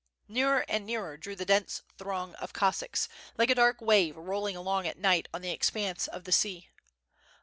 Nearer and nearer drew the dense throng of Cossacks, like a dark wave rolling along at night on the expanse of the sea.